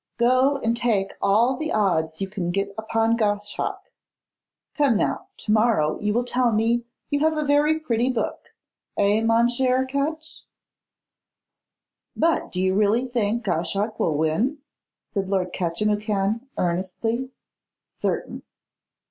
Go and take all the odds you can get upon Goshawk. Come, now, to morrow you will tell me you have a very pretty book. Eh! mon cher Catch?' 'But do you really think Goshawk will win?' asked Lord Cathimwhocan, earnestly. 'Certain!